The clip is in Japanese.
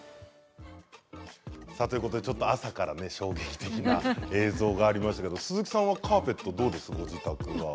ちょっと朝から衝撃的な映像がありましたけれど鈴木さんはカーペットはどうですか、ご自宅は。